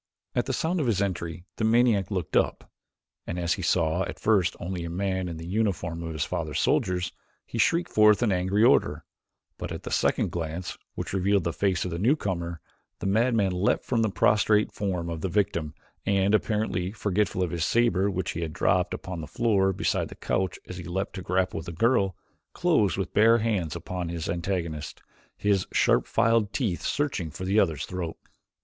At the sound of his entry the maniac looked up, and as he saw at first only a man in the uniform of his father's soldiers, he shrieked forth an angry order, but at the second glance, which revealed the face of the newcomer, the madman leaped from the prostrate form of his victim and, apparently forgetful of the saber which he had dropped upon the floor beside the couch as he leaped to grapple with the girl, closed with bare hands upon his antagonist, his sharp filed teeth searching for the other's throat.